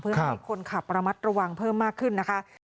เพื่อให้คนขับระมัดระวังเพิ่มมากขึ้นนะคะ